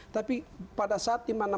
tapi pada saat dimana